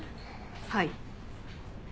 はい。